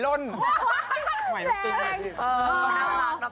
น้องตั้งต่างลอง